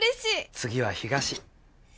次は東。